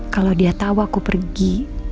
kalau dia tahu aku pergi